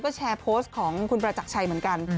ก็แชร์โพสต์ของคุณประจักรชัยเหมือนกัน